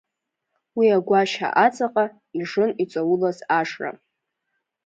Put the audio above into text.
Уи агәашьа аҵаҟа ижын иҵаулаз ажра.